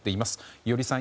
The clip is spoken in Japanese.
伊従さん